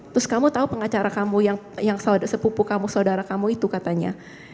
terus kamu tahu pengacara kamu yang sepupu kamu saudara kamu itu katanya